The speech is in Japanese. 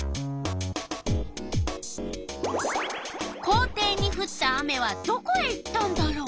校庭にふった雨はどこへ行ったんだろう？